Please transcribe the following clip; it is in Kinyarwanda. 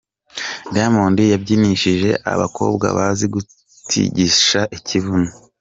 Diamond yabyinishije abakobwa bazi gutigisa ikibuno.